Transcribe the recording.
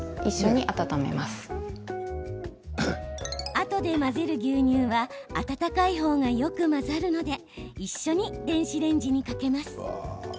あとで混ぜる牛乳は温かい方がよく混ざるので一緒に電子レンジにかけます。